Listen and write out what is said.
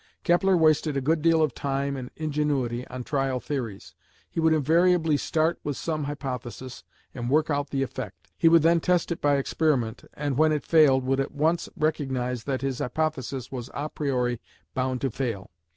Kepler wasted a good deal of time and ingenuity on trial theories. He would invariably start with some hypothesis, and work out the effect. He would then test it by experiment, and when it failed would at once recognise that his hypothesis was a priori bound to fail.